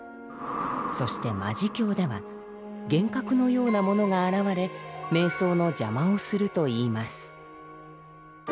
そして「魔事境」では幻覚のようなものが現れ瞑想の邪魔をするといいます。